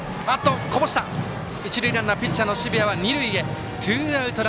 一塁ランナーピッチャーの澁谷は二塁へ。